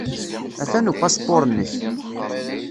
Atan upaspuṛ-nnek.